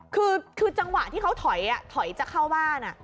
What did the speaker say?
คือจังหวะที่เขาถอยถอยจะเข้าบ้าน